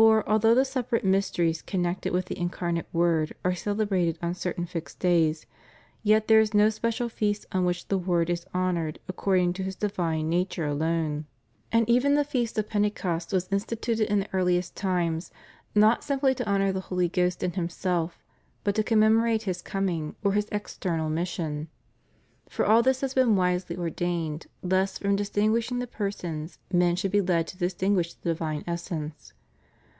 For, although the separate mysteries connected with the Incarnate Word are celebrated on cer tain fixed days, yet there is no special feast on which the Word is honored according to His divine nature alone. » Of the Holy Ghost, c. xvi., v. 39. ' John I 18. » Sumin. Th. la., q. xrri. De Trin. L i., c. 3. THE HOLY SPIRIT. 425 And even the Feast of Pentecost was instituted in the earliest times, not simply to honor the Holy Ghost in Him self, but to commemorate His coming, or His external mission. And all this has been wisely ordained, lest from distinguishing the persons men should be led to distinguish the divine essence.